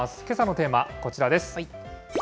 けさのテーマ、こちらです。